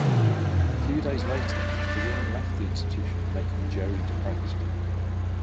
A few days later the woman left the institution making Joey depressed.